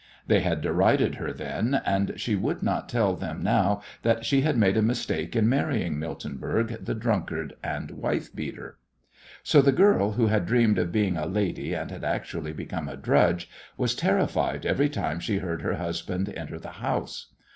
They had derided her then, and she would not tell them now that she had made a mistake in marrying Miltenberg, the drunkard and wife beater. So the girl who had dreamed of being a lady and had actually become a drudge was terrified every time she heard her husband enter the house.